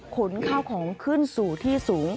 ขนข้าวของขึ้นสู่ที่สูง